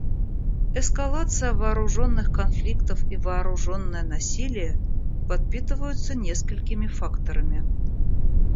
Эскалация вооруженных конфликтов и вооруженное насилие подпитываются несколькими факторами.